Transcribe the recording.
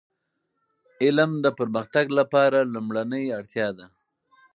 علم د پرمختګ لپاره لومړنی اړتیا ده.